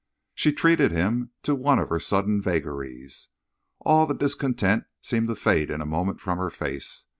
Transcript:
She treated him to one of her sudden vagaries. All the discontent seemed to fade in a moment from her face.